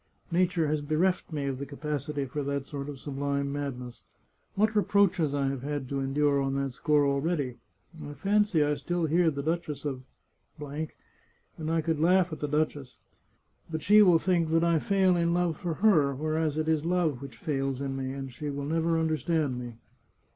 Nature has bereft me of the capacity for that sort of sublime madness. What reproaches I have had to endure on that score already! I fancy I still hear the Duchess of A , and I could laugh at the duchess ! But she will think that I fail in love for her, whereas it is love which fails in me; and she never will understand me.